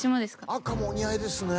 赤もお似合いですね。